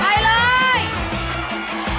ไปแล้ว